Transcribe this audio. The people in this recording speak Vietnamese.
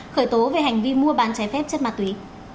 khởi tố về hành vi mua bán trái phép chất ma túy